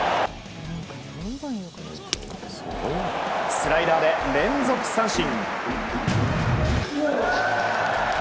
スライダーで連続三振。